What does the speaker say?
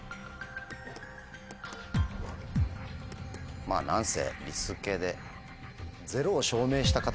まぁ何せ。